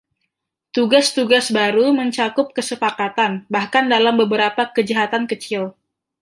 Tugas-tugas baru mencakup kesepakatan, bahkan dalam beberapa kejahatan kecil.